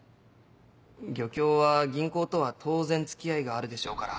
漁協は銀行とは当然付き合いがあるでしょうから。